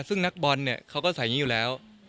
ซึ่งนักบอลเนี่ยเขาก็ใส่อย่างนี้อยู่แล้ว